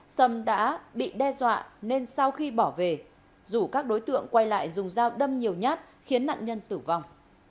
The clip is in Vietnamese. sâm đã bị đe dọa nên sau khi bỏ về dù các đối tượng quay lại dùng dao đâm nhiều nhát khiến nạn nhân tử vong